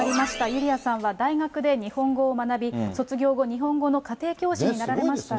ユリアさんは大学で日本語を学び、卒業後、日本の家庭教師になられました。